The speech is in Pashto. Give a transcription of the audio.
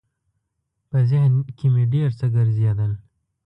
په ذهن کې مې ډېر څه ګرځېدل.